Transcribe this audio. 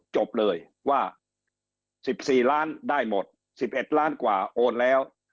จบเลยว่า๑๔ล้านได้หมด๑๑ล้านกว่าโอนแล้ว